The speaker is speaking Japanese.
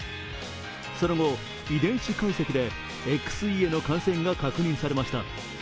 その後、遺伝子解析でＸＥへの感染が確認されました。